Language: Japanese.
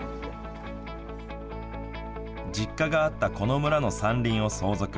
実家があったこの村の山林を相続。